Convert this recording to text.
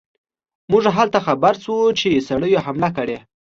موږ هلته خبر شو چې سړیو حمله کړې.